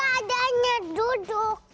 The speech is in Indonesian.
tapi juga adanya duduk